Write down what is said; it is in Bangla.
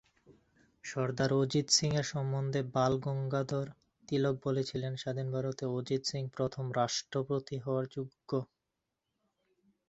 সর্দার অজিত সিং-এর সমন্ধে বাল গঙ্গাধর তিলক বলেছিলেন, স্বাধীন ভারতে অজিত সিং প্রথম রাষ্ট্রপতি হাওয়ার যোগ্য।